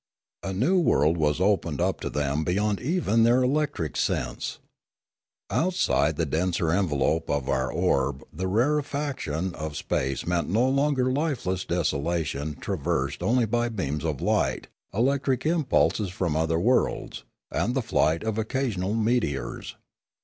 A new world was opened up to them beyond even their electric sense. Outside of the denser envelope of our orb the rarefaction of space meant no longer lifeless desolation traversed only by beams of light, electric impulses from other worlds, and the flight of occasional meteors.